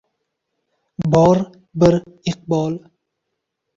bor bir iqbol